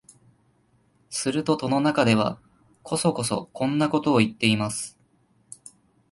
すると戸の中では、こそこそこんなことを言っています